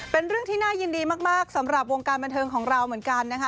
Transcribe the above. เป็นเรื่องที่น่ายินดีมากสำหรับวงการบันเทิงของเราเหมือนกันนะคะ